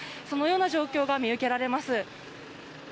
そのような状況が見受けられます。